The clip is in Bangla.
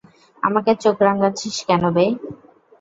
আমাকে চোখ রাঙাচ্ছিস কেন, বে?